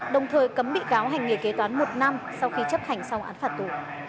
đồng thời cấm bị cáo hành nghề kế toán một năm sau khi chấp hành sau án phạt tù